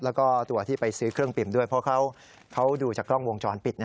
แล้วก็ตัวที่ไปซื้อเครื่องปิ่มด้วยเพราะเขาดูจากกล้องวงจรปิด